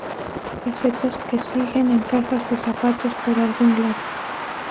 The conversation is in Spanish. Casetes que siguen en cajas de zapatos por algún lado.